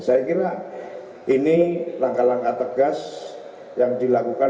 saya kira ini langkah langkah tegas yang dilakukan